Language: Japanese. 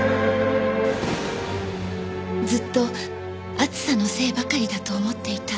ずっと暑さのせいばかりだと思っていた。